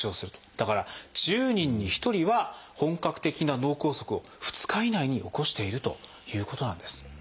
だから１０人に１人は本格的な脳梗塞を２日以内に起こしているということなんです。